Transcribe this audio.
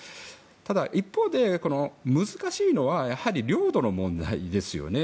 ただ、一方で難しいのはやはり領土の問題ですよね。